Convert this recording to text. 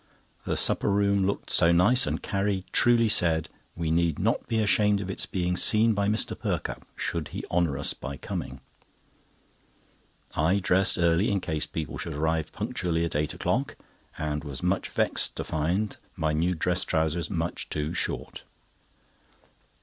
The supper room looked so nice, and Carrie truly said: "We need not be ashamed of its being seen by Mr. Perkupp, should he honour us by coming." I dressed early in case people should arrive punctually at eight o'clock, and was much vexed to find my new dress trousers much too short.